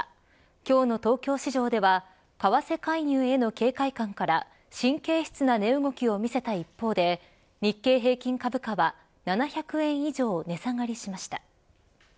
今日の東京市場では為替介入への警戒感から神経質な値動きを見せた一方で日経平均株価は７００円以上値下がりしました。